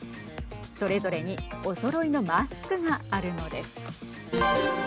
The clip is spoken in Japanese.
それぞれにおそろいのマスクがあるのです。